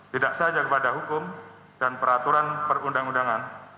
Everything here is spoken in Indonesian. tidak saja kepada hukum dan peraturan perundang undangan